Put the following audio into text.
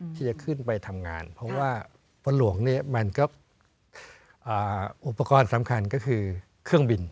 ที่จะขึ้นไปทำงานเพราะว่าพระหลวงเนี่ยมันก็อุปกรณ์สำคัญก็คือเครื่องบิน